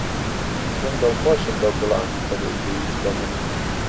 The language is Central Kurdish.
من دڵخۆشم بەو گوڵانەی کە دەیدەیت بە من.